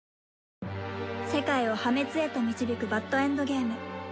世界を破滅へと導くバッドエンドゲーム